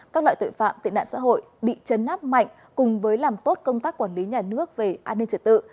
các loại tội phạm tệ nạn xã hội bị chấn áp mạnh cùng với làm tốt công tác quản lý nhà nước về an ninh trật tự